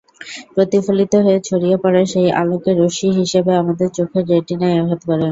প্রতিফলিত হয়ে ছড়িয়ে পড়া সেই আলোক রশ্মি এসে আমাদের চোখের রেটিনায় আঘাত করে।